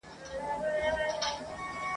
چي لیدلی یې مُلا وو په اوبو کي !.